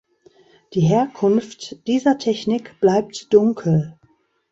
Die Herkunft dieser Technik bleibt dunkel.